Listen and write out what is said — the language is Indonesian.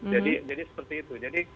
jadi seperti itu